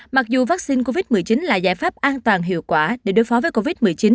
mặc dù vaccine covid một mươi chín là giải pháp an toàn hiệu quả để đối phó với covid một mươi chín